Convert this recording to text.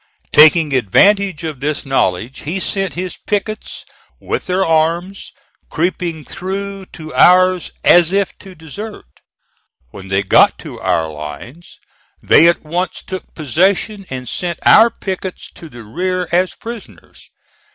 Taking advantage of this knowledge he sent his pickets, with their arms, creeping through to ours as if to desert. When they got to our lines they at once took possession and sent our pickets to the rear as prisoners.